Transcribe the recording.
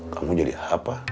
kamu jadi apa